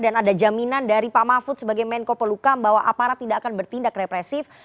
dan ada jaminan dari pak mahfud sebagai menko pelukam bahwa aparat tidak akan bertindak represif